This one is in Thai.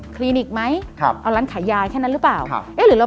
คลีนิกไหมเอาร้านขายยาแค่นั้นหรือเปล่า